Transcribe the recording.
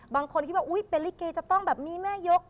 บางคนพี่บอกอุ้ยเป็นริเกจจะต้องแบบมีแม่ยก